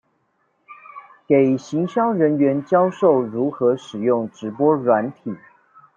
給行銷人員教授如何使用直播軟體